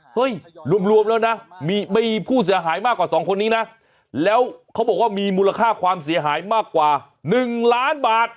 รวมแล้วนะมีผู้เสียหายมากกว่า๒คนนี้นะแล้วเขาบอกว่ามีมูลค่าความเสียหายมากกว่า๑ล้านบาท